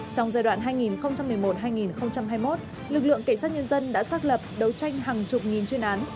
trong giai đoạn hai nghìn một mươi một hai nghìn hai mươi một lực lượng cảnh sát nhân dân đã xác lập đấu tranh hàng chục nghìn chuyên án